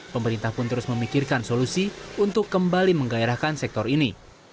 pemerintah pun terus memikirkan solusi untuk kembali menggairahkan sektor ini